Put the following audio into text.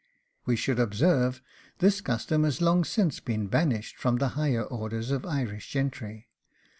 We should observe, this custom has long since been banished from the higher orders of Irish gentry.